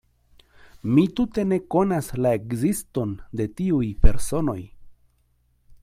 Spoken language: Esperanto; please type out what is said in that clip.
Mi tute ne konas la ekziston de tiuj personoj.